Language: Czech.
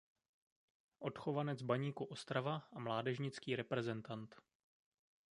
Odchovanec Baníku Ostrava a mládežnický reprezentant.